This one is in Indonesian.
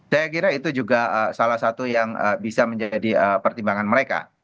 saya kira itu juga salah satu yang bisa menjadi pertimbangan mereka